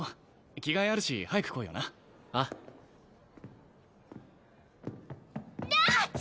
着替えあるし早く来いよなああだっちょ！